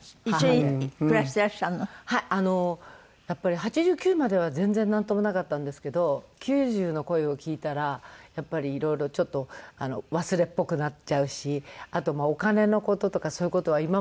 やっぱり８９までは全然なんともなかったんですけど９０の声を聞いたらやっぱり色々ちょっと忘れっぽくなっちゃうしあとお金の事とかそういう事は。